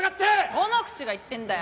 どの口が言ってんだよ。